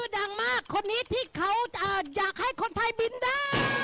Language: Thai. ดังมากคนนี้ที่เขาอยากให้คนไทยบินได้